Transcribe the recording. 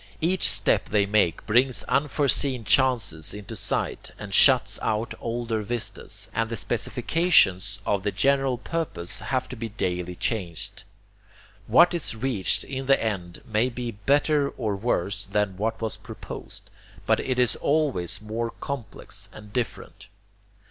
Each step they make brings unforeseen chances into sight, and shuts out older vistas, and the specifications of the general purpose have to be daily changed. What is reached in the end may be better or worse than what was proposed, but it is always more complex and different.